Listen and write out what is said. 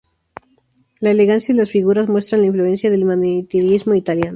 La elegancia de las figuras muestran la influencia del manierismo italiano.